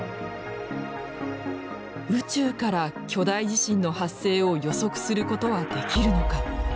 宇宙から巨大地震の発生を予測することはできるのか。